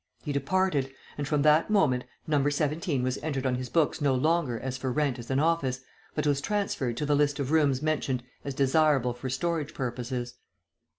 He departed, and from that moment No. 17 was entered on his books no longer as for rent as an office, but was transferred to the list of rooms mentioned as desirable for storage purposes.